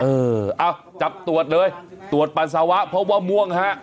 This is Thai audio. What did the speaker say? เออเอาจับตรวจเลยตรวจปัสสาวะเพราะว่าม่วงฮะ